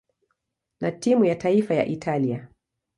na timu ya taifa ya Italia.